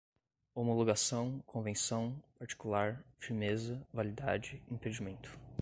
homologação, convenção particular, firmeza, validade, impedimento